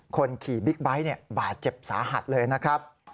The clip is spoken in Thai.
คนขี่บิ๊กไบท์บาดเจ็บสาหัสเลยนะครับ